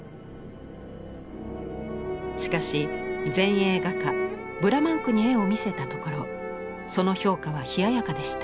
しかし前衛画家ヴラマンクに絵を見せたところその評価は冷ややかでした。